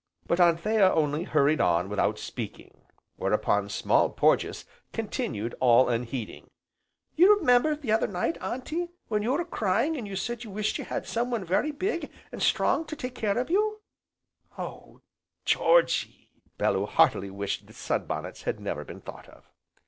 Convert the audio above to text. But Anthea only hurried on without speaking, whereupon Small Porges continued all unheeding: "You 'member the other night, Auntie, when you were crying, you said you wished you had some one very big, and strong to take care of you " "Oh Georgy!" Bellew heartily wished that sunbonnets had never been thought of.